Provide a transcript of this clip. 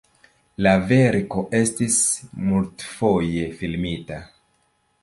La verko estis multfoje filmita.